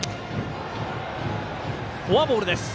フォアボールです。